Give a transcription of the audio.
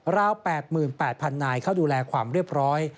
ราว๘๘๐๐นายเข้าดูแลความเรียบร้อย